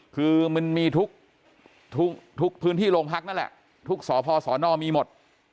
คือมันมีทุกพื้นที่โรงพักนั่นแหละทุกสพสนมีหมด